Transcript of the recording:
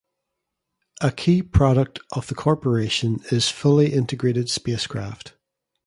A key product of the corporation is fully integrated spacecraft.